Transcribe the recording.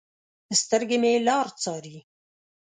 سترګې مې لار څارې